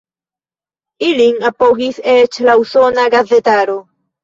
Ilin apogis eĉ la usona gazetaro.